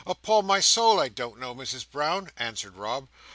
"Upon my soul, I don't know, Misses Brown," answered Rob.